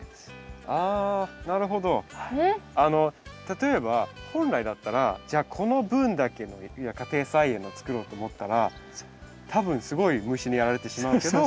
例えば本来だったらじゃあこの分だけ家庭菜園を作ろうと思ったら多分すごい虫にやられてしまうけど。